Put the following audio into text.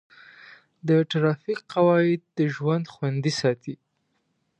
د ټرافیک قواعد د ژوند خوندي ساتي.